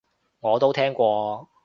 我都聽過